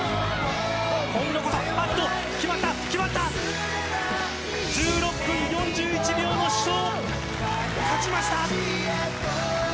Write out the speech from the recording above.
今度こそあっと決まった１６分４１秒の死闘勝ちました